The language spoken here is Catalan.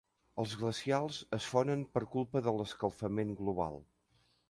Els glacials es fonen per culpa de l'escalfament global.